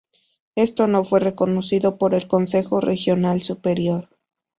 Esto no fue reconocido por el consejo regional superior.